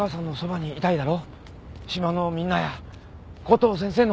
島のみんなやコトー先生の。